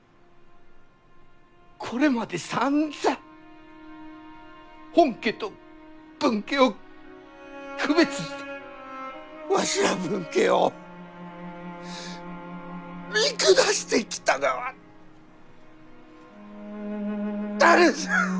これまでさんざん本家と分家を区別してわしら分家を見下してきたがは誰じゃ。